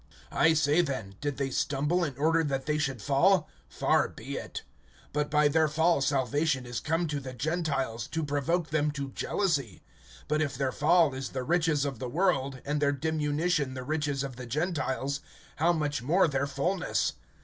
(11)I say then, did they stumble in order that they should fall? Far be it! But by their fall salvation is come to the Gentiles, to provoke them to jealousy. (12)But if their fall is the riches of the world, and their diminution the riches of the Gentiles, how much more their fullness?